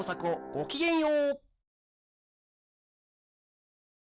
ごきげんよう！